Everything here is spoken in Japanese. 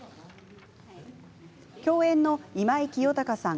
共演の今井清隆さん